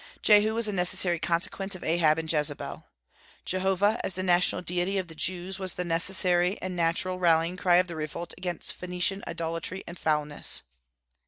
Jehu was a necessary consequence of Ahab and Jezebel. Jehovah, as the national deity of the Jews, was the natural and necessary rallying cry of the revolt against Phoenician idolatry and foulness.